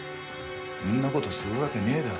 そんな事するわけねえだろ。